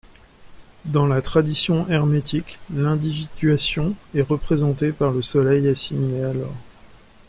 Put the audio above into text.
Dans la tradition hermétique, l'individuation est représentée par le soleil assimilé à l'or.